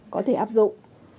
có thể áp dụng